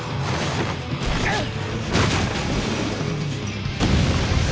うっ！